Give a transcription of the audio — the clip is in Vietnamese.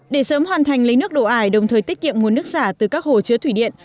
để sớm hoàn thành lấy nước đổ ải đồng thời tiết kiệm nguồn nước xả từ các hồ chứa thủy điện